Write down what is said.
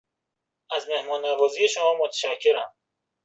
از مهمان نوازی شما متشکرم.